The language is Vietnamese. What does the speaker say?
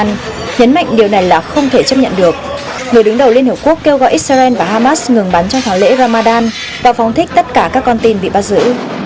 ông trump nhấn mạnh điều này là không thể chấp nhận được người đứng đầu liên hợp quốc kêu gọi israel và hamas ngừng bắn trong tháng lễ ramadan và phóng thích tất cả các con tin bị bắt giữ